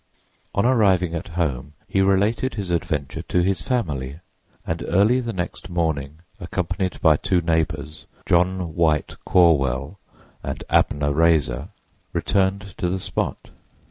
On arriving at home he related his adventure to his family, and early the next morning, accompanied by two neighbors, John White Corwell and Abner Raiser, returned to the spot.